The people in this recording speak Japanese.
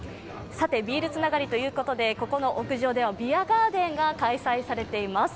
ビールつながりということでここの屋上ではビアガーデンが開催されています。